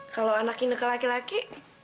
kalau anak ineke laki laki